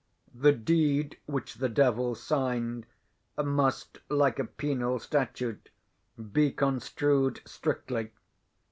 The deed which the devil signed, must, like a penal statute, be construed strictly.